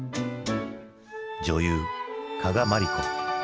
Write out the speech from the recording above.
女優加賀まりこ。